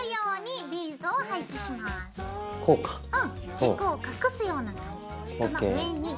軸を隠すような感じで軸の上に。